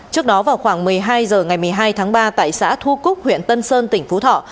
trước đó vào khoảng một mươi hai h ngày một mươi hai tháng ba tại xã thu cúc huyện tân sơn tỉnh phú thọ